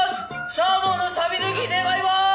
サーモンのさび抜き願います！